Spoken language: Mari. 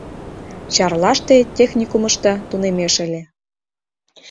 Чарлаште техникумышто тунемеш ыле.